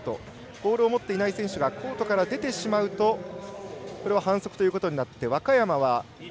ボールを持っていない選手がコートから出てしまうと反則となって。